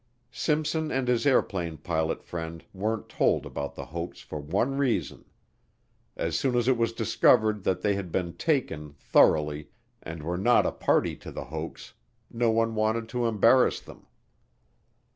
Simpson and his airline pilot friend weren't told about the hoax for one reason. As soon as it was discovered that they had been "taken," thoroughly, and were not a party to the hoax, no one wanted to embarrass them.